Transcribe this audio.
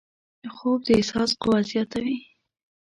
خوب د احساس قوت زیاتوي